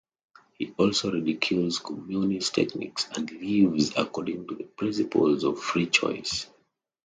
He also ridicules Communist techniques and lives according to the principles of free choice.